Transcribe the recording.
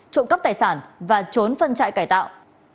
trộm cắp tài sản và trốn phân trại cải tạo